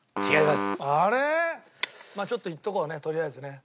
まあちょっといっておこうねとりあえずね。